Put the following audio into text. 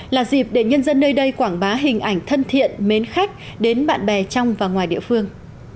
là dịp để nhân dân nơi đây quảng bá hình ảnh thân thiện mến khách đến bạn bè trong và ngoài địa phương